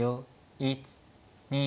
１２。